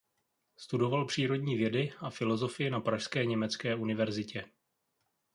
Studoval přírodní vědy a filozofii na pražské německé univerzitě.